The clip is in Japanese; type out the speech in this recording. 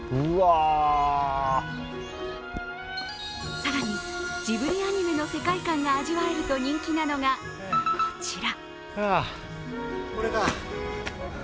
更に、ジブリアニメの世界観が味わえると人気なのが、こちら。